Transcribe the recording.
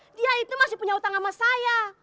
dia itu masih punya utang sama saya